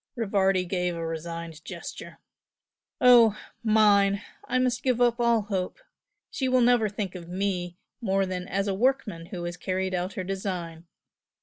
Rivardi gave a resigned gesture. "Oh, MINE! I must give up all hope she will never think of me more than as a workman who has carried out her design.